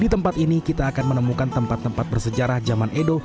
di tempat ini kita akan menemukan tempat tempat bersejarah zaman edo